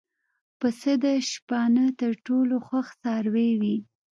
پسه د شپانه تر ټولو خوښ څاروی وي.